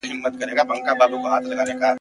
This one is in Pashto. پر انارګل به زلمي چاپېروي ..